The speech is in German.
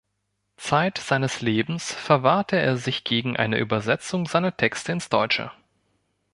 Zeit seines Lebens verwahrte er sich gegen eine Übersetzung seiner Texte ins Deutsche.